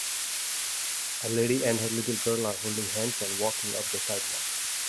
A lady and her little girl are holding hands and walking up the sidewalk.